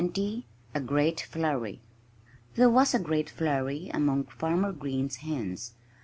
XX A GREAT FLURRY There was a great flurry among Farmer Green's hens.